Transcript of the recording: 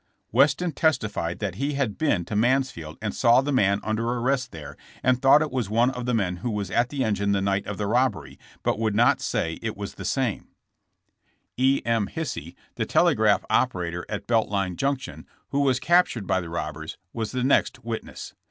Weston testified that he had been to Mansfield and saw the man under arrest there and thought it was one of the men who was at the engine the night of the robbery, but would not say it was the same. THE TRIAI, FOR TRAIN ROBBERY. 161 E. M. Hisey, the telegraph operator at Belt Line junction, who was captured by the robbers, was the next witness.